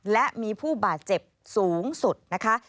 และมีผู้บาดเจ็บสูงสุดนะคะ